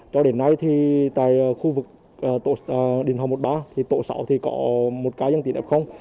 cho đến nay thì tại khu vực tổ sáu thì có một ca dân tỉ đẹp không